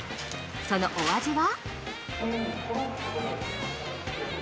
そのお味は？